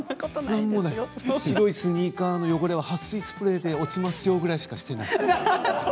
白いスニーカーの汚れははっ水スプレーで落ちますよぐらいしかやっていない。